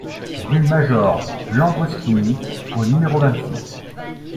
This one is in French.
Rue Major Lambruschini au numéro vingt-six